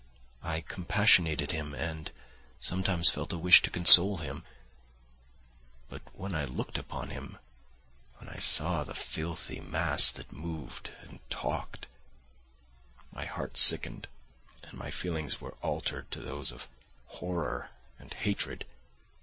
I compassionated him and sometimes felt a wish to console him, but when I looked upon him, when I saw the filthy mass that moved and talked, my heart sickened and my feelings were altered to those of horror and hatred.